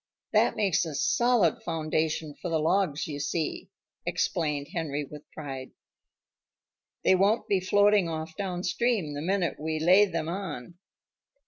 "That makes a solid foundation for the logs, you see," explained Henry with pride. "They won't be floating off downstream the minute we lay them on."